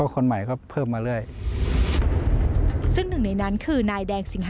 คนใหม่ก็เพิ่มมาเรื่อย